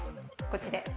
こっちで。